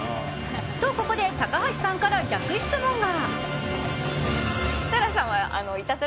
と、ここで高橋さんから逆質問が。